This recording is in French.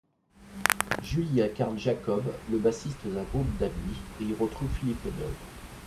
Jules y incarne Jacob, le bassiste d'un groupe d'amis, et y retrouve Philippe Manœuvre.